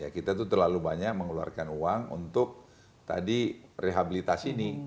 kita tuh terlalu banyak mengeluarkan uang untuk tadi rehabilitasi ini